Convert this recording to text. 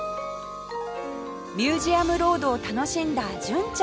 ミュージアムロードを楽しんだ純ちゃん